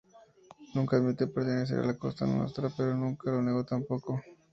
Nunca admitió pertenecer a la Cosa Nostra, pero nunca lo negó tampoco.